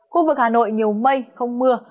khu vực hà nội nhiều mây không mưa